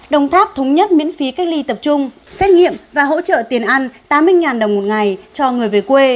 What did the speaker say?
đồng tháp thống nhất miễn phí cách ly tập trung xét nghiệm và hỗ trợ tiền ăn tám mươi đồng một ngày cho người về quê